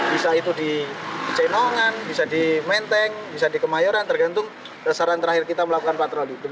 bisa itu di cenongan bisa di menteng bisa di kemayoran tergantung saran terakhir kita melakukan patroli